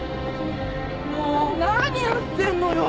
もう何やってんのよ？